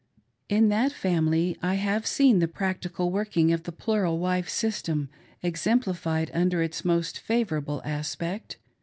In that family I have seen the practical working of the plural wife system exempli fied under its most favorable aspect.